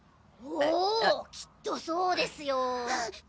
おきっとそうですよ。